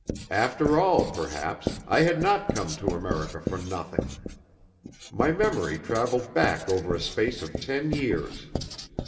After all, perhaps, I had not come to America for nothing! My memory travelled back over a space of ten years.